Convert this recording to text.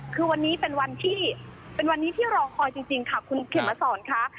คือวันนี้เป็นวันที่เป็นวันนี้ที่รอคอยจริงค่ะคุณเขมมาสอนค่ะ